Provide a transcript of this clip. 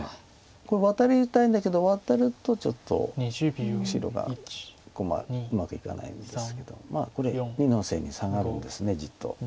これワタりたいんだけどワタるとちょっと白がうまくいかないんですけどまあこれ２の線にサガるんですじっと。